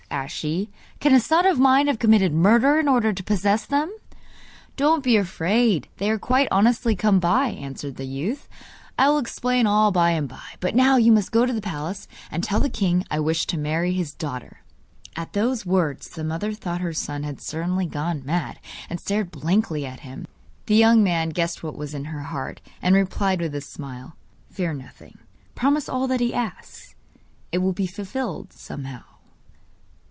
asked she. 'Can a son of mine have committed murder in order to possess them?' 'Do not be afraid; they are quite honestly come by,' answered the youth. 'I will explain all by and by; but now you must go to the palace and tell the king I wish to marry his daughter.' At these words the mother thought her son had certainly gone mad, and stared blankly at him. The young man guessed what was in her heart, and replied with a smile: 'Fear nothing. Promise all that he asks; it will be fulfilled somehow.